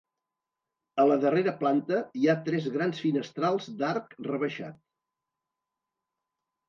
A la darrera planta, hi ha tres grans finestrals d'arc rebaixat.